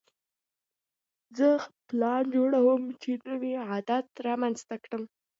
زه پلان جوړوم چې نوی عادت رامنځته کړم.